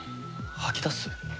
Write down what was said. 吐き出す？